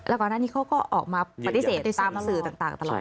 ก่อนหน้านี้เขาก็ออกมาปฏิเสธตามสื่อต่างตลอด